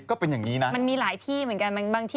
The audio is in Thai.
ก็เป็นอย่างนี้นะมันมีหลายที่เหมือนกันบางที่